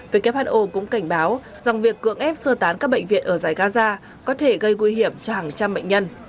who cũng cảnh báo rằng việc cưỡng ép sơ tán các bệnh viện ở giải gaza có thể gây nguy hiểm cho hàng trăm bệnh nhân